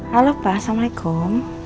halo pak assalamualaikum